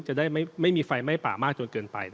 จะได้ไม่มีไฟไหม้ป่ามากจนเกินไป